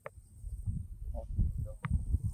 او مي جو ھون